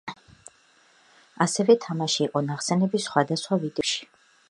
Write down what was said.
ასევე თამაში იყო ნახსენები სხვადასხვა ვიდეო თამაშების ჟურნალებში.